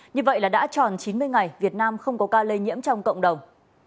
như vậy là đã tròn chín mươi ngày việt nam không có ca lây nhiễm trong cộng đồng